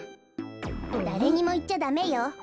だれにもいっちゃダメよ。